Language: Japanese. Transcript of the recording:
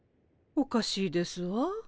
おかしいですわ。